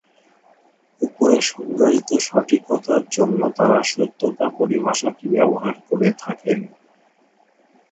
উপরে সংজ্ঞায়িত "সঠিকতা"-র জন্য তারা "সত্যতা" পরিভাষাটি ব্যবহার করে থাকে।